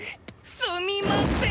すみません！